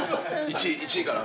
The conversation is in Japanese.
１位から。